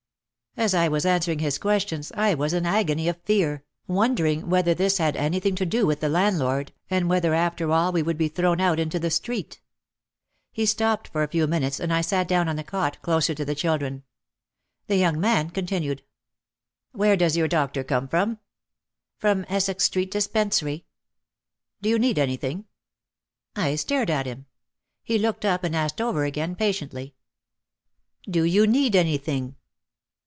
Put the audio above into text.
As I was answering his questions I was in agony of fear, wondering whether this had anything to do with the landlord and whether after all we would be thrown out into the street. He stopped for a few minutes and I sat down on the cot closer to the children. The young man continued : "Where does your doctor come from?" "From Essex Street dispensary." "Do you need anything?" I stared at him. He looked up and asked over again, patiently, "Do you need anything?"